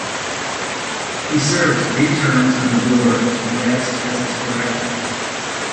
He served three terms on the board, the last as its director.